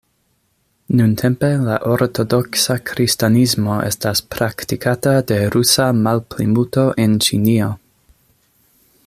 Nuntempe, la ortodoksa kristanismo estas praktikata de rusa malplimulto en Ĉinio.